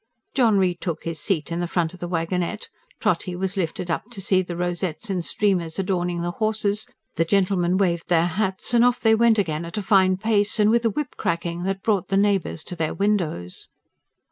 John re took his seat in the front of the wagonette, Trotty was lifted up to see the rosettes and streamers adorning the horses, the gentlemen waved their hats, and off they went again at a fine pace, and with a whip cracking that brought the neighbours to their windows.